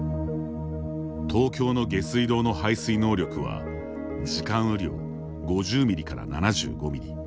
東京の下水道の排水能力は時間雨量５０ミリから７５ミリ。